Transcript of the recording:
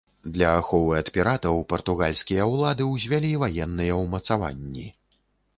Для аховы ад піратаў партугальскія ўлады ўзвялі ваенныя ўмацаванні.